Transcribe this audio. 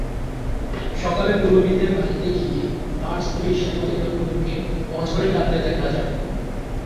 সকালে পুরোহিতের বাড়িতে গিয়ে তাঁর স্ত্রী শেফালী গাঙ্গুলিকে অঝোরে কাঁদতে দেখা যায়।